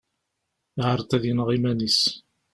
Yeεreḍ ad yenɣ iman-is.